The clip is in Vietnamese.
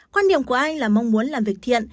quan điểm của ai là mong muốn làm việc thiện